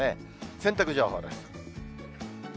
洗濯情報です。